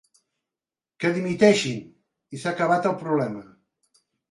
Que dimiteixin, i s’ha acabat el problema.